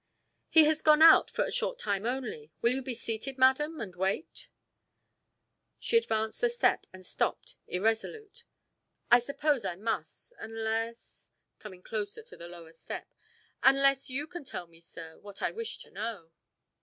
"He has gone out for a short time only. Will you be seated, madam, and wait?" She advanced a step and stopped irresolute. "I suppose I must, unless," coming close to the lower step, "unless you can tell me, sir, what I wish to know."